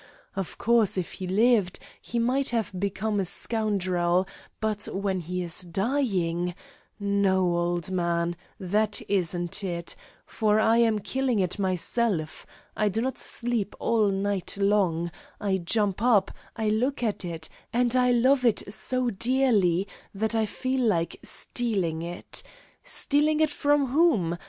Of course, if he lived, he might have become a scoundrel, but when he is dying No, old man, that isn't it. For I am killing it myself. I do not sleep all night long, I jump up, I look at it, and I love it so dearly that I feel like stealing it. Stealing it from whom?